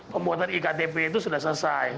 pembuatan iktp itu sudah selesai